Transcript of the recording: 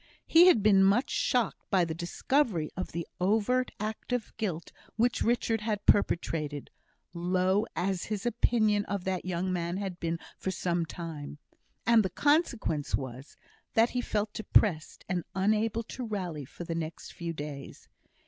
He had been much shocked by the discovery of the overt act of guilt which Richard had perpetrated, low as his opinion of that young man had been for some time; and the consequence was, that he felt depressed, and unable to rally for the next few days.